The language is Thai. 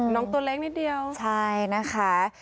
น้องตัวเล็กนิดเดียวใช่นะคะ